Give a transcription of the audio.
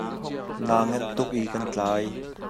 Naa ngenh tuk i kan tlai.